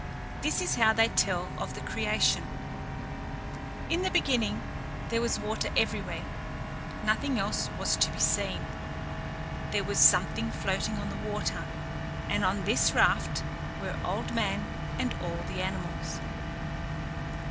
This is how they tell of the creation: In the beginning there was water everywhere; nothing else was to be seen. There was something floating on the water, and on this raft were Old Man and all the animals.